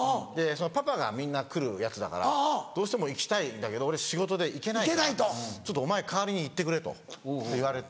パパがみんな来るやつだから「どうしても行きたいんだけど俺仕事で行けないからお前代わりに行ってくれ」と言われて。